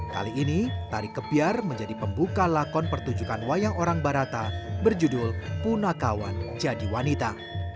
kali ini tari kebiar menjadi pembuka lakon pertunjukan wayang orang barata berjudul punakawan jadi wanita